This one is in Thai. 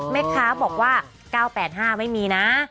แม่ค้าบอกว่า๙๘๕ไม่มีนะ